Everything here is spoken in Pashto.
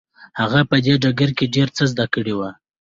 هغه په دې ډګر کې ډېر څه زده کړي وو.